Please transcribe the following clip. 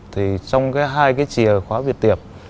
trong hai cái chìa khóa việt tiệp